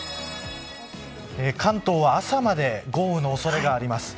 関東朝まで豪雨の恐れがあります。